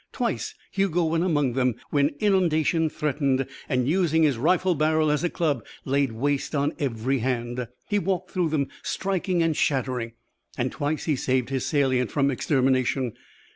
Twice Hugo went among them when inundation threatened and, using his rifle barrel as a club, laid waste on every hand. He walked through them striking and shattering. And twice he saved his salient from extermination.